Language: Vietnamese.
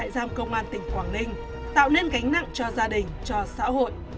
giam công an tỉnh quảng ninh tạo nên gánh nặng cho gia đình cho xã hội